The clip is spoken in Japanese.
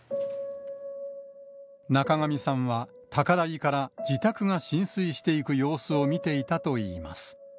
中神さんは高台から、自宅が浸水していく様子を見ていたといいます。